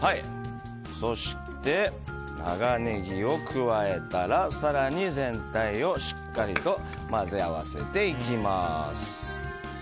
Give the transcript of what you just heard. そして、長ネギを加えたら更に全体をしっかりと混ぜ合わせていきます。